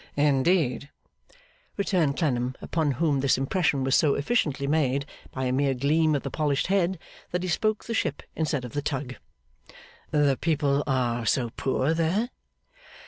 'Indeed?' returned Clennam, upon whom this impression was so efficiently made by a mere gleam of the polished head that he spoke the ship instead of the Tug. 'The people are so poor there?